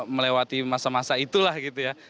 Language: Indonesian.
melewati masa masa itulah gitu ya